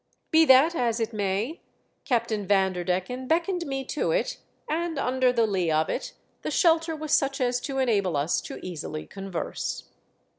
Be that as it may, Captain Vanderdecken beckoned me to it, and under the lee of it the shelter was such as to enable us to easily converse.